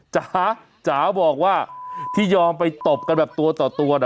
จ๋าจ๋าบอกว่าที่ยอมไปตบกันแบบตัวด้วย